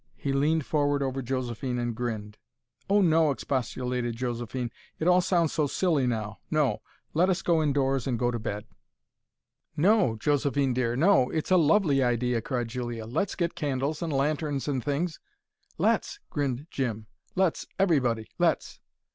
He leaned forward over Josephine, and grinned. "Oh, no!" expostulated Josephine. "It all sounds so silly now. No. Let us go indoors and go to bed." "NO, Josephine dear No! It's a LOVELY IDEA!" cried Julia. "Let's get candles and lanterns and things " "Let's!" grinned Jim. "Let's, everybody let's."